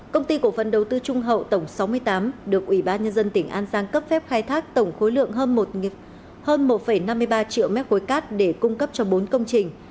công ty cổ phần đầu tư trung hậu tổng sáu mươi tám được ủy ban nhân dân tỉnh an giang cấp phép khai thác tổng khối lượng hơn một năm mươi ba triệu mét khối cát để cung cấp cho bốn công trình